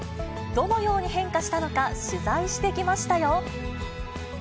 どのように変化したのか、取材してきましたよ。